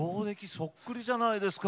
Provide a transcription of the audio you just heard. そっくりじゃないですか！